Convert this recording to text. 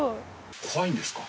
怖いんですか？